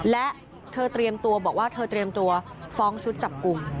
และเธอเตรียมตัวบอกว่าเธอเตรียมตัวฟ้องชุดจับกลุ่ม